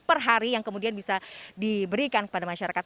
per hari yang kemudian bisa diberikan kepada masyarakat